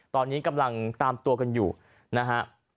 ตอนนี้กำลังตามตัวกันอยู่นะฮะ